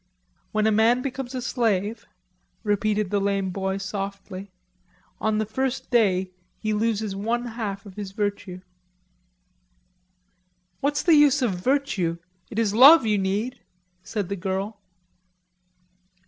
"When a man becomes a slave," repeated the lame boy softly, "on the first day he loses one half of his virtue." "What's the use of virtue? It is love you need," said the girl.